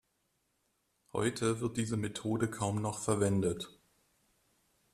Heute wird diese Methode kaum noch verwendet.